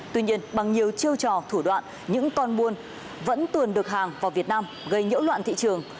tuy nhiên bằng nhiều chiêu trò thủ đoạn những con buôn vẫn tuần được hàng vào việt nam gây nhiễu loạn thị trường